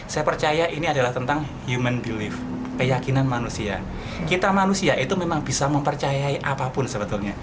saya percaya ini adalah tentang human delive keyakinan manusia kita manusia itu memang bisa mempercayai apapun sebetulnya